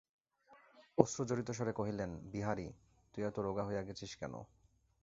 অশ্রুজড়িতস্বরে কহিলেন, বিহারী, তুই এত রোগা হইয়া গেছিস কেন।